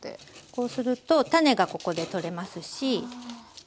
こうすると種がここで取れますし。